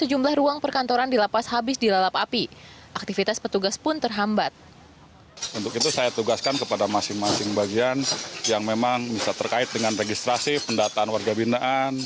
untuk itu saya tugaskan kepada masing masing bagian yang memang bisa terkait dengan registrasi pendataan warga binaan